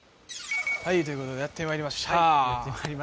ということでやってまいりました。